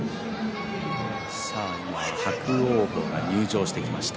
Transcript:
伯桜鵬が今、入場してきました。